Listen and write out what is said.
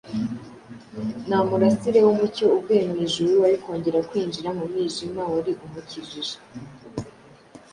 Nta murasire w’umucyo uvuye mu ijuru wari kongera kwinjira mu mwijima wari umukikije.